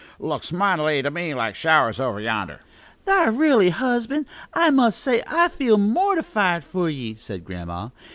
Looks mightily to me like showers, over yonder." "Thar', r'aly, husband! I must say I feel mortified for ye," said Grandma.